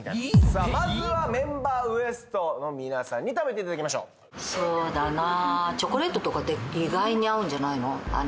さあまずはメンバーＷＥＳＴの皆さんに食べていただきましょうそうだなチョコレートとかって意外に合うんじゃないの？